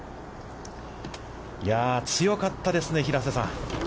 やあ、強かったですね、平瀬さん。